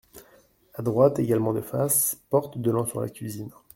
A droite, également de face, porte donnant sur la cuisine.